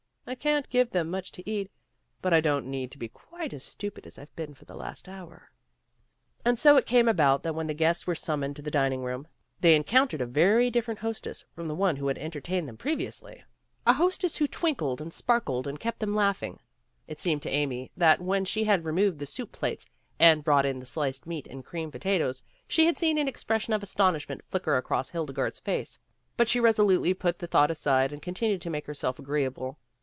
I can't give them much to eat, but I don't need to be quite as stupid as I've been for the last hour." And so it came about that when the guests were summoned to the dining room, they en countered a very different hostess from the one who had entertained them previously, a hostess 14 PEGGY RAYMOND'S WAY who twinkled and sparkled and kept them laughing. It seemed to Amy that, when she had removed the soup plates and brought in the sliced meat and creamed potatoes, she had seen an expression of astonishment flicker across Hildegarde's face, but she resolutely put the thought aside and continued to make herself agreeable.